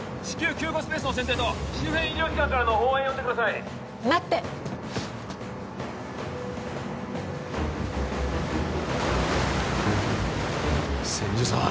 救護スペースの選定と周辺医療機関からの応援を呼んでください待って千住さん